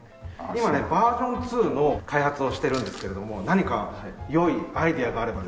今ねバージョン２の開発をしてるんですけれども何か良いアイデアがあれば。